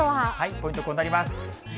ポイント、こうなります。